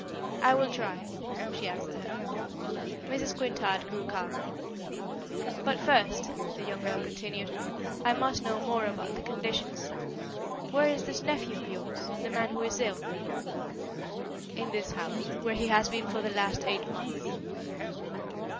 "I will try," she answered her. Mrs. Quintard grew calmer. "But, first," the young girl continued, "I must know more about the conditions. Where is this nephew of yours the man who is ill?" "In this house, where he has been for the last eight months."